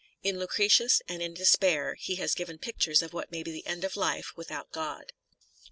In " Lucretius " and in " Despair " he has given pictures of what may be the end of a life without God.